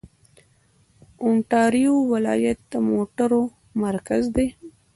اونټاریو ولایت د موټرو مرکز دی.